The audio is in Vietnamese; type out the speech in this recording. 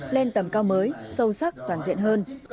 lên tầm cao mới sâu sắc toàn diện hơn